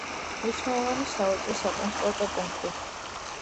მნიშვნელოვანი სავაჭრო-სატრანსპორტო პუნქტი.